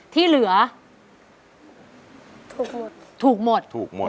ที่เหลือถูกหมด